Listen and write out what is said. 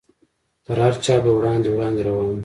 تر هر چا به وړاندې وړاندې روان و.